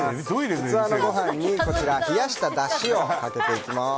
器のご飯に冷やしただしをかけていきます。